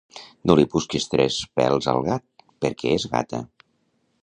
No li busquis tres pels al gat perquè és gata